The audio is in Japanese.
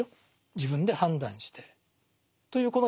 自分で判断してというこのやり方はですね